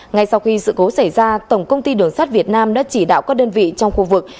ngay sau khi sự cố xảy ra tổng công ty đường sắt việt nam đã chỉ đạo các đơn vị trong khu vực